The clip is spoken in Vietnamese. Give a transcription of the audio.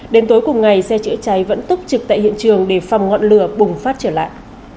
đến tối cùng ngày xe chữa cháy vẫn túc trực tại hiện trường để phòng ngọn lửa bùng phát trở lại